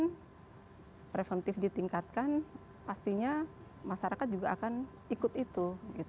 kalau preventif ditingkatkan pastinya masyarakat juga akan ikut itu